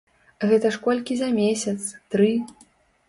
Гэта ж колькі за месяц, тры?